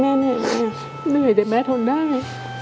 แม่เห็นไหมนะเหนื่อยแต่แม่ทนได้